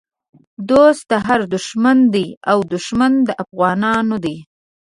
دوست د هر دښمن دی او دښمن د افغانانو دی